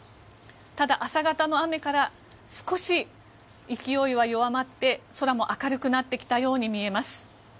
ただ、朝方の雨から少し勢いは弱まって空も明るくなってきたように見えます。